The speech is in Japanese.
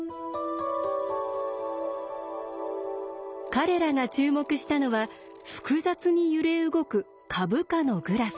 彼らが注目したのは複雑に揺れ動く株価のグラフ。